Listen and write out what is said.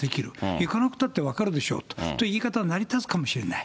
行かなくたって分かるでしょうという言い方は成り立つかもしれない。